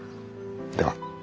では。